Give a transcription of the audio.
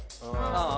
ああ。